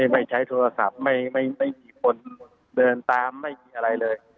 ไม่ใช้โทรศัพท์ไม่มีคนเดินตามไม่มีอะไรเลย